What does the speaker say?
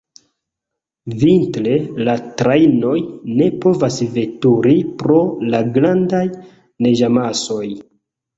Vintre la trajnoj ne povas veturi pro la grandaj neĝamasoj.